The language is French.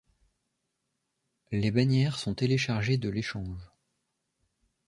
Les bannières sont téléchargées de l'échange.